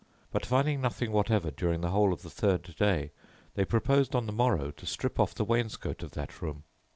But finding nothing whatever during the whole of the third day, they proposed on the morrow to strip off the wainscot of that room.